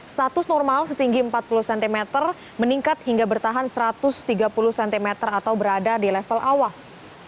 status normal setinggi empat puluh cm meningkat hingga bertahan satu ratus tiga puluh cm atau berada di level awas